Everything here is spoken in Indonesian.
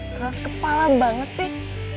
keras kepala banget sih